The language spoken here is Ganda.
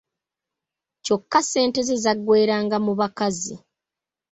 Kyokka ssente ze zaggweranga mu bakazi.